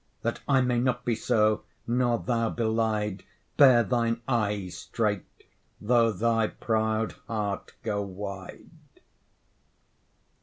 That I may not be so, nor thou belied, Bear thine eyes straight, though thy proud heart go wide.